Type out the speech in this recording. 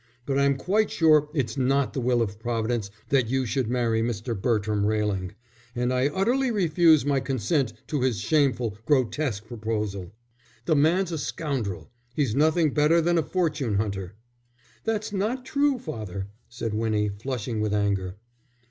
But I'm quite sure it's not the will of Providence that you should marry Mr. Bertram Railing, and I utterly refuse my consent to his shameful, grotesque proposal. The man's a scoundrel; he's nothing better than a fortune hunter." "That's not true, father," said Winnie, flushing with anger.